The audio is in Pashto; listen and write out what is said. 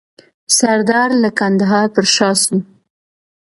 سردار له کندهار پر شا سو.